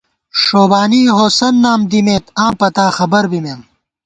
ݭوبانی ہوسند نام دِمېت، آں پتا خبر بِمېم